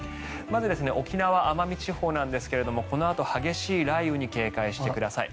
まず沖縄・奄美地方なんですがこのあと激しい雷雨に警戒してください。